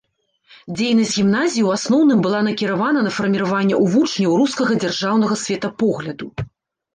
Дзейнасць гімназіі ў асноўным была накіравана на фарміраванне ў вучняў рускага дзяржаўнага светапогляду.